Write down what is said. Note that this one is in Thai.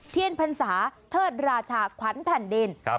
เที่ยนภัณฑ์ศาสตร์เทิดราชาขวัญผันดิน